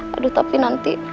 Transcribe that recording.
aduh tapi nanti